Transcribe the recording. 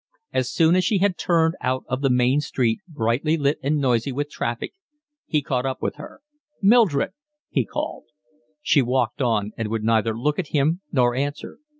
As soon as she had turned out of the main street, brightly lit and noisy with traffic, he caught her up. "Mildred," he called. She walked on and would neither look at him nor answer.